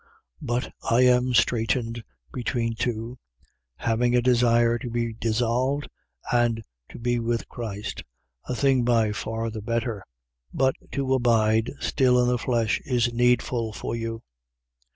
But I am straitened between two: having a desire to be dissolved and to be with Christ, a thing by far the better. 1:24. But to abide still in the flesh is needful for you.